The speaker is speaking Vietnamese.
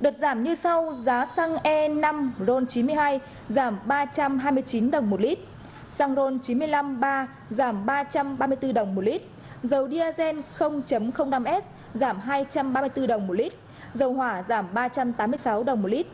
đợt giảm như sau giá xăng e năm ron chín mươi hai giảm ba trăm hai mươi chín đồng một lít xăng ron chín trăm năm mươi ba giảm ba trăm ba mươi bốn đồng một lít dầu diazen năm s giảm hai trăm ba mươi bốn đồng một lít dầu hỏa giảm ba trăm tám mươi sáu đồng một lít